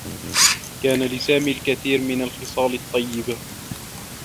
كانت لسامي الكثير من الخصال الطّيّبة.